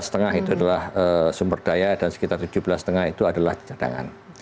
lima lima itu adalah sumber daya dan sekitar tujuh belas lima itu adalah cadangan